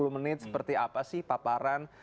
sepuluh menit seperti apa sih paparan